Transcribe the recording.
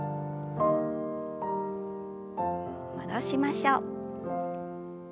戻しましょう。